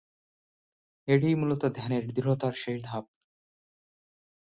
এটিই মূলত ধ্যানের দৃঢ়তার শেষ ধাপ।